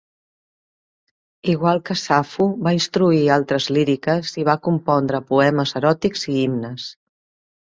Igual que Safo, va instruir altres líriques i va compondre poemes eròtics i himnes.